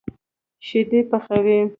شيدې پخوي.